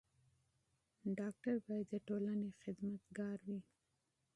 ډاکټر بايد د ټولني خدمت ګار وي.